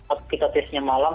atau kita tesnya malam